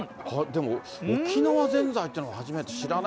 でも、沖縄ぜんざいっていうのも初めて。